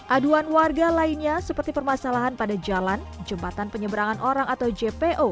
aduan warga lainnya seperti permasalahan pada jalan jembatan penyeberangan orang atau jpo